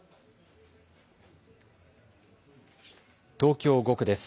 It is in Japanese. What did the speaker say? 東京５区です。